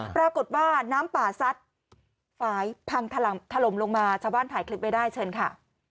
ปรากฏว่าน้ำป่าซัดฝ่ายพังถล่มลงมาชาวบ้านถ่ายคลิปไว้ได้เชิญค่ะ